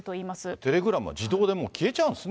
テレグラムは自動で消えちゃうんですね。